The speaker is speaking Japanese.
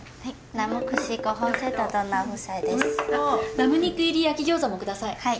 ラム肉入り焼き餃子もください。